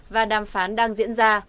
và đàm phán đang diễn ra